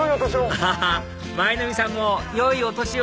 アハハ舞の海さんもよいお年を！